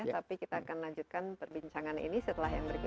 tapi kita akan lanjutkan perbincangan ini setelah yang berikut